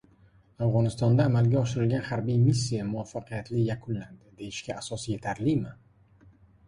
Afg‘onistonda amalga oshirilgan harbiy missiya muvaffaqiyatli yakunlandi, deyishga asos yetarlimi?